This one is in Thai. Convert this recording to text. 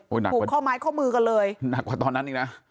โอ้ยหนักกว่าผูกข้อไม้ข้อมือกันเลยหนักกว่าตอนนั้นอีกนะ